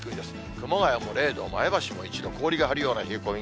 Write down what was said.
熊谷も０度、前橋も１度、氷が張るような冷え込み。